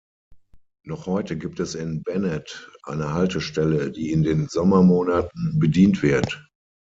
Noch heute gibt es in Bennett eine Haltestelle, die in den Sommermonaten bedient wird.